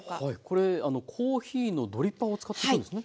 これコーヒーのドリッパーを使ってるんですね。